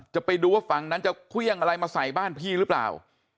จะไปดูว่าฝั่งนั้นจะเครื่องอะไรมาใส่บ้านพี่หรือเปล่า